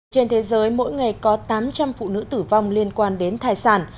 trên thế giới mỗi ngày có tám trăm linh phụ nữ tử vong liên quan đến thai sản